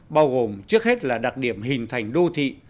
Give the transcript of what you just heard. bao gồm trước hết là đặc điểm hình thành đô thị